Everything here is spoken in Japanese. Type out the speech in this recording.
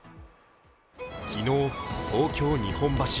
昨日、東京・日本橋。